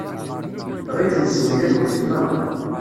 Ɣilen Zwina d weltma.